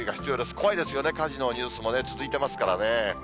怖いですよね、火事のニュースも続いてますからね。